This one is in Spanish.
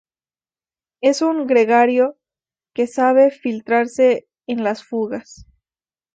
Es un gregario que sabe filtrarse en las fugas.